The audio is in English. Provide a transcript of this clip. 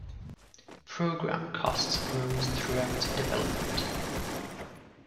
Program costs rose throughout development.